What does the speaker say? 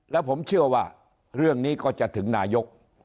แล้วผมเชื่อว่าเรื่องนี้ก็จะถึงนายก